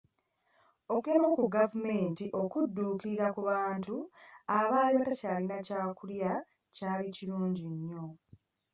Okuyambako ku gavumenti okudduukirira ku bantu abaali batakyalina kyakulya kyalikirungi nyo.